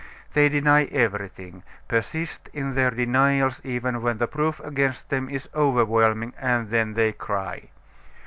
They deny everything, persist in their denials even when the proof against them is overwhelming, and then they cry.